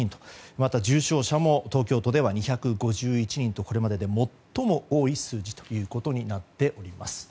また、重症者も東京都では２５１人とこれまでで最も多い数字となっています。